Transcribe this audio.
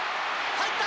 入った！